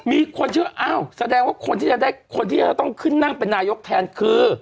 มีคนเชื่อเอ้าแสดงว่าคนที่จะต้องขึ้นนั่งเป็นนายกแทนคือ